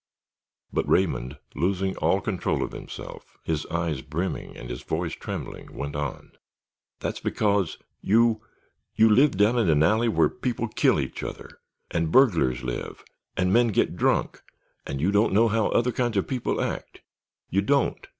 But Raymond, losing all control of himself, his eyes brimming and his voice trembling, went on: "That's because—you—you lived down in an alley where people kill each other—and burglars live—and men get drunk and you don't know how other kinds of people act—you don't....